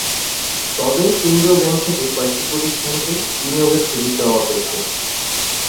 তবে কেন্দ্রীয় ব্যাংক থেকে কয়েকটি প্রতিষ্ঠানকে বিনিয়োগের সুযোগ দেওয়া হয়েছে।